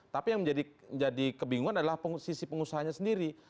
tapi yang menjadi kebingungan adalah sisi pengusahanya sendiri